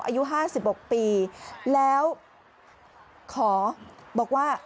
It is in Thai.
อายุ๕๖ปีแล้วขอบอกว่า